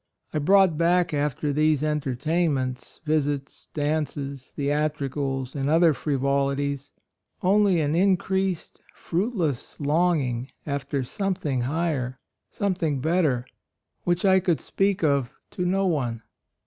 I brought back after these entertainments, visits, dances, theatricals, and other frivolities, only an in creased, fruitless longing after something higher, something better, which I could speak of to no one.